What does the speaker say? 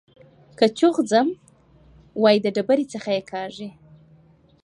که چوخ ځم وايي د ډبرۍ څخه يې کاږي.